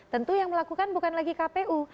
tentu yang melakukan bukan lagi kpu